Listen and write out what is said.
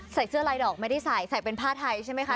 ใส่เสื้อลายดอกไม่ได้ใส่ใส่เป็นผ้าไทยใช่ไหมคะ